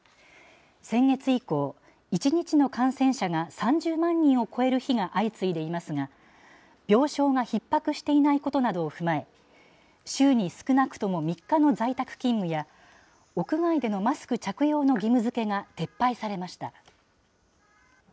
先月以降、１日の感染者が３０万人を超える日が相次いでいますが、病床がひっ迫していないことなどを踏まえ、週に少なくとも３日の在宅勤務や、屋外でのマスク着用の義務づけが撤廃されました。